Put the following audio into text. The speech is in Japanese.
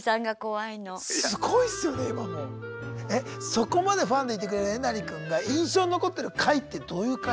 そこまでファンでいてくれるえなり君が印象に残ってる回ってどういう回？